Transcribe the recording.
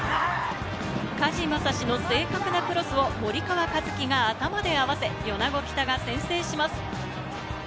梶磨佐志の正確なクロスを森川和軌が頭で合わせ、米子北が先制します。